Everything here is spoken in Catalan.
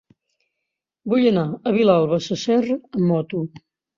Vull anar a Vilalba Sasserra amb moto.